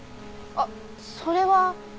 あっそれは。